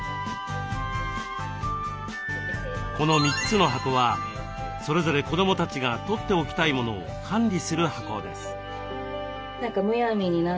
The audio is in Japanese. この３つの箱はそれぞれ子どもたちがとっておきたいモノを管理する箱です。